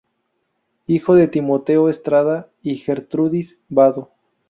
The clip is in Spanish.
Hijo de Timoteo Estrada y Gertrudis Vado.